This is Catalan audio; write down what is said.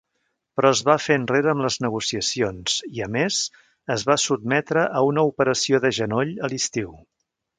Però es va fer enrere amb les negociacions i, a més, es va sotmetre a una operació de genoll a l'estiu.